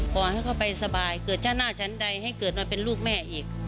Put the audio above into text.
ขอให้เขาไปสบายเกิดชั้นหน้าชั้นใดให้เกิดมาเป็นลูกแม่อีก